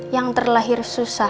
yang terlahir susah